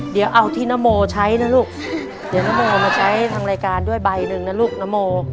เดี๋ยวเอาที่นโมใช้นะลูกเดี๋ยวนโมมาใช้ทางรายการด้วยใบหนึ่งนะลูกนโม